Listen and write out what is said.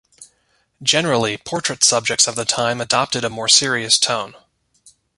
Generally, portrait subjects of the time adopted a more serious tone.